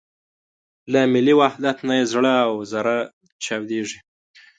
له ملي وحدت نه یې زړه او زره چاودېږي.